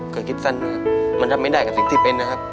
เคยคิดสั้นนะครับมันรับไม่ได้กับสิ่งที่เป็น